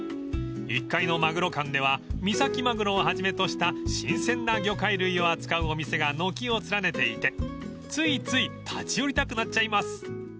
［１階のまぐろ館では三崎マグロをはじめとした新鮮な魚介類を扱うお店が軒を連ねていてついつい立ち寄りたくなっちゃいます］